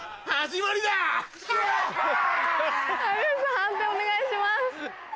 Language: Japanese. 判定お願いします。